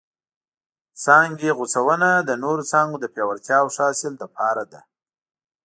څانګې غوڅونه د نورو څانګو د پیاوړتیا او ښه حاصل لپاره ده.